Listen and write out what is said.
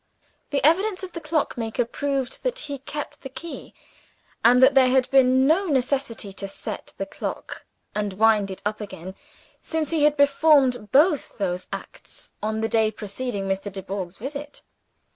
The evidence of the clock maker proved that he kept the key, and that there had been no necessity to set the clock and wind it up again, since he had performed both those acts on the day preceding Mr. Dubourg's visit.